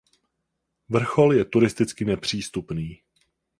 Vrchol je turisticky nepřístupný.